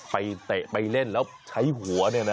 ไปเตะไปเล่นแล้วใช้หัวนี่นะ